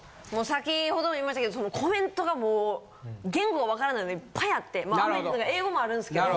先ほども言いましたけどコメントがもう言語が分からないのいっぱいあって英語もあるんすけど。